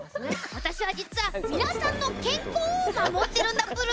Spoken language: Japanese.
私は、実は皆さんの健康を守ってるんだプル。